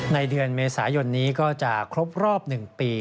ในเดือนเมษายนนี้ก็จะครบรอบ๑ปี